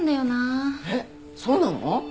えっそうなの？